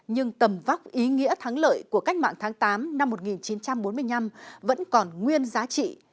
nhưng tầm vóc ý nghĩa thắng lợi của cách mạng tháng tám năm một nghìn chín trăm bốn mươi năm vẫn còn nguyên giá trị